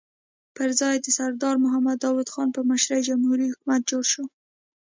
پر ځای یې د سردار محمد داؤد خان په مشرۍ جمهوري حکومت جوړ شو.